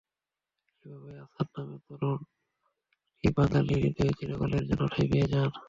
এভাবেই আসাদ নামের তরুণটি বাঙালির হৃদয়ে চিরকালের জন্য ঠাঁই পেয়ে যান।